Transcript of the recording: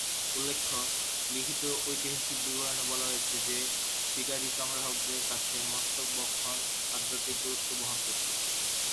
উল্লেখ্য, লিখিত ঐতিহাসিক বিবরণে বলা হয়েছে যে শিকারী-সংগ্রাহকদের কাছে মস্তিষ্ক-ভক্ষণ আধ্যাত্মিক গুরুত্ব বহন করত।